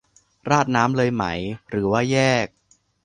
ราดน้ำเลยไหม หรือว่าแยก